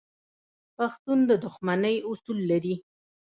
پښتون د دښمنۍ اصول لري.